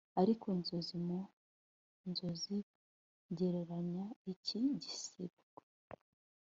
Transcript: Ariko inzozi mu nzoziGereranya iki gisigo